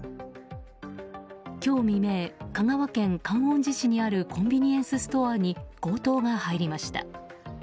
今日未明、香川県観音寺市にあるコンビニエンスストアに強盗が入りました。